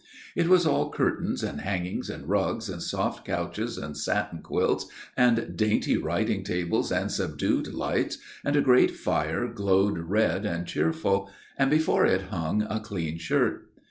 It was all curtains and hangings and rugs and soft couches and satin quilts and dainty writing tables and subdued lights, and a great fire glowed red and cheerful, and before it hung a clean shirt.